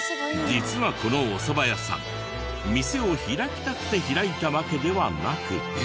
実はこのお蕎麦屋さん店を開きたくて開いたわけではなく。